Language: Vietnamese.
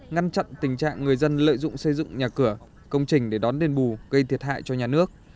ngăn chặn tình trạng người dân lợi dụng xây dựng nhà cửa công trình để đón đền bù gây thiệt hại cho nhà nước